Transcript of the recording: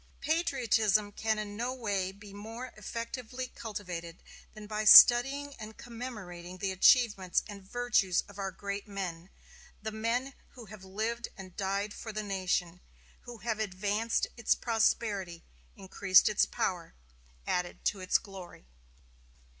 Patriotism can in no way be more effectively cultivated than by studying and commemorating the achievements and virtues of our great men the men who have lived and died for the nation, who have advanced its prosperity, increased its power, added to its glory.